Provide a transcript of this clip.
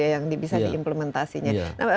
yang bisa diimplementasinya